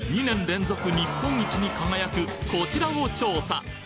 ２連続日本一に輝くこちらを調査！